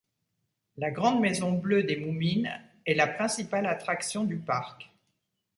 La grande maison bleue des Moumines est la principale attraction du parc.